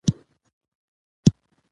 د شکایت اورېدنه باید عادلانه وي.